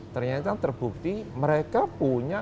ternyata terbukti mereka punya